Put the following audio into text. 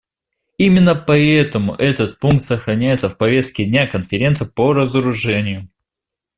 Именно поэтому этот пункт сохраняется в повестке дня Конференции по разоружению.